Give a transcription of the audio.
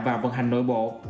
và vận hành nội bộ